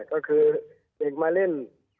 ก็คือเด็กมาเล่น